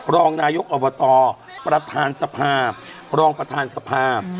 รองนายกอบตประธานสภาพรองประธานสภาพ